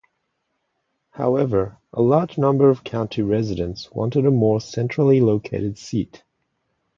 However, a large number of county residents wanted a more centrally located seat.